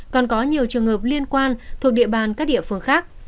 còn có nhiều trường hợp liên quan thuộc địa bàn các địa phương khác